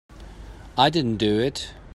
I didn't do it.